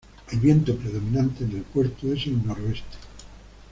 El viento predominante en el puerto es el Noreste.